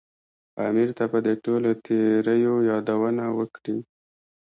امیر ته به د ټولو تېریو یادونه وکړي.